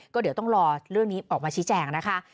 ก็เดี๋ยวต้องรอเรื่องนี้ออกมาชี้แจงนะคะ